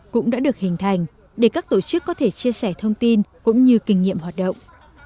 cũng đã được hình thành để các tổ chức có thể chia sẻ thông tin cũng như kinh nghiệm hoạt động